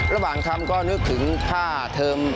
ระหว่างทำก็นึกถึงค่าเทอม